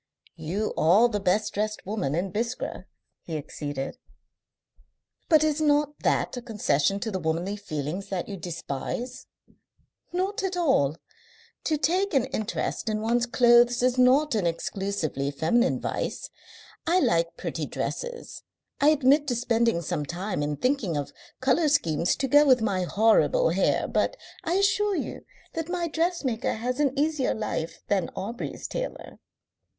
"You are the best dressed woman in Biskra," he acceded. "But is not that a concession to the womanly feelings that you despise?" "Not at all. To take an interest in one's clothes is not an exclusively feminine vice. I like pretty dresses. I admit to spending some time in thinking of colour schemes to go with my horrible hair, but I assure you that my dressmaker has an easier life than Aubrey's tailor."